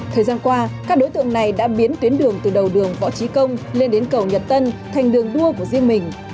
thời gian qua các đối tượng này đã biến tuyến đường từ đầu đường võ trí công lên đến cầu nhật tân thành đường đua của riêng mình